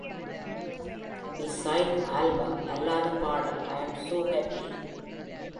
B-side album அல்லாத பாடல் "I'm So Happy".